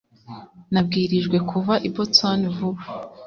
nabwirijwe kuva i boston vuba